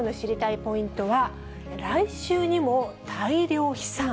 ポイントは、来週にも大量飛散。